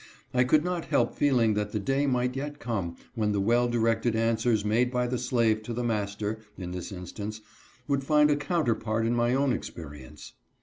I could not help feeling that the day might yet come when the well directed answers made by the slave to the master, in this instance, would find a counterpart in my own experience.